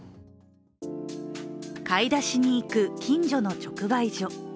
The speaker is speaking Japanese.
買い出しに行く近所の直売所。